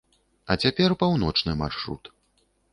А цяпер паўночны маршрут.